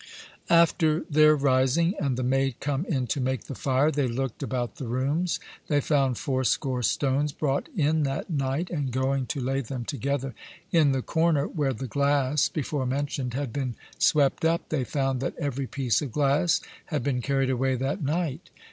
After their rising, and the maid come in to make the fire, they looked about the rooms; they found fourscore stones brought in that night, and going to lay them together in the corner where the glass (before mentioned) had been swept up, they found that every piece of glass had been carried away that night.